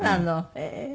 へえ。